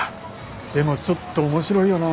でもちょっと面白いよなあ。